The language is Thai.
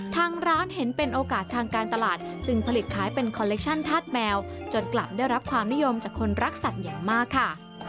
ทางร้านเห็นเป็นโอกาสทางการตลาดจึงผลิตขายเป็นคอลเลคชั่นธาตุแมวจนกลับได้รับความนิยมจากคนรักสัตว์อย่างมากค่ะ